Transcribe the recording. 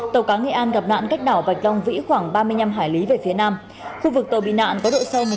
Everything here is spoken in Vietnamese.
tàu cá nghệ an gặp nạn cách đảo bạch long vĩ khoảng ba mươi năm hải lý về phía nam khu vực tàu bị nạn có độ sông